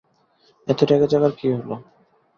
এত রেগে যাওয়ার কি হলো!